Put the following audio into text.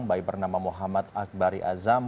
bayi bernama muhammad akbari azam